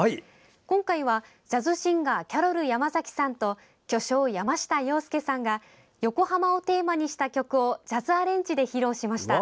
今回はジャズシンガーキャロル山崎さんと巨匠・山下洋輔さんが横浜をテーマにした曲をジャズアレンジで披露しました。